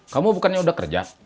kamu bukannya udah kerja